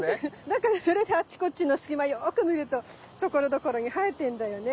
だからそれであっちこっちの隙間よく見るとところどころに生えてんだよね。